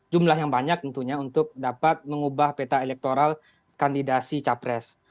jumlah yang banyak tentunya untuk dapat mengubah peta elektoral kandidasi capres